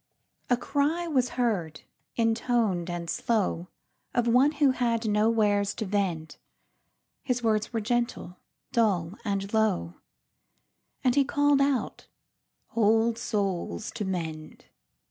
A cry was heard, inton'd and slow, Of one who had no wares to vend:His words were gentle, dull, and low, And he call'd out, "Old souls to mend!"